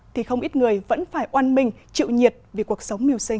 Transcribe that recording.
thì không ít người vẫn phải oan mình chịu nhiệt vì cuộc sống miêu sinh